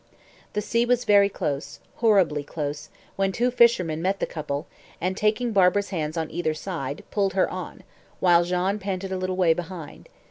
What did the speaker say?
The sea was very close horribly close when two fishermen met the couple, and, taking Barbara's hands on either side, pulled her on, while Jean panted a little way behind.